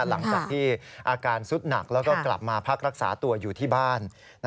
หลังจากที่อาการสุดหนักแล้วก็กลับมาพักรักษาตัวอยู่ที่บ้าน